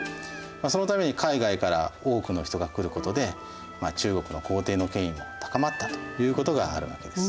そのために海外から多くの人が来ることで中国の皇帝の権威も高まったということがあるわけです。